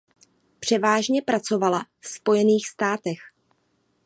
Převážně pracovala v Spojených státech.